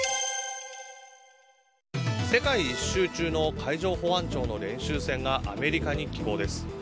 世界一周中の海上保安庁の練習船がアメリカに寄港です。